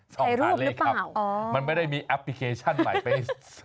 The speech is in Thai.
ถ่ายรูปหรือเปล่าอ๋อมันไม่ได้มีแอปพลิเคชันใหม่ไป